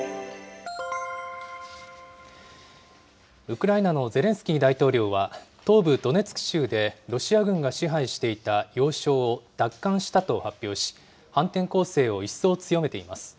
ウクライナのゼレンスキー大統領は、東部ドネツク州でロシア軍が支配していた要衝を奪還したと発表し、反転攻勢を一層強めています。